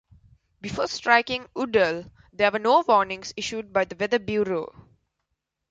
Before striking Udall, there were no warnings issued by the Weather Bureau.